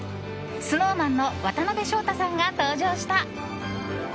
ＳｎｏｗＭａｎの渡辺翔太さんが登場した。